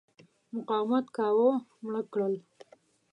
مقاومت کاوه مړه کړل.